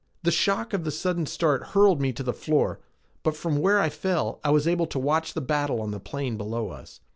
The shock of the sudden start hurled me to the floor, but from where I fell I was able to watch the battle on the plain below us.